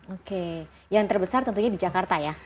oke yang terbesar tentunya di jakarta ya